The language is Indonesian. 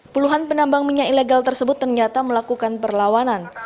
puluhan penambang minyak ilegal tersebut ternyata melakukan perlawanan